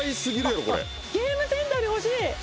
ゲームセンターに欲しい！